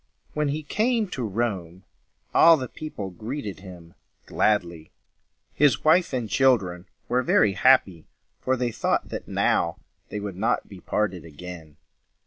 When he came to Rome, all the people greeted him gladly. His wife and children were very happy, for they thought that now they would not be parted again.